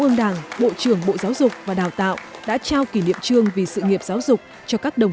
ương đảng bộ trưởng bộ giáo dục và đào tạo đã trao kỷ niệm trương vì sự nghiệp giáo dục cho các đồng